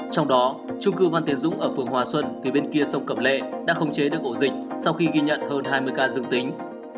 trong đó trung cư văn tiến dũng ở phường hòa xuân phía bên kia sông cẩm lệ đã khống chế được ổ dịch sau khi ghi nhận hơn hai mươi ca dương tính